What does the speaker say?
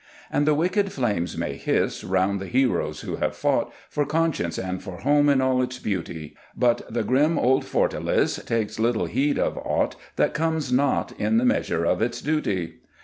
And the wicked flames may hiss Round the heroes who have fought For conscience and for home in all its beauty, But the grim old fortalice Takes little heed of aught That comes not in the measure of its duty.